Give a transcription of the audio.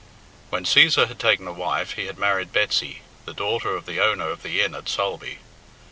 When Cæsar had taken a wife, he had married Betsy, the daughter of the owner of the inn at Sulby.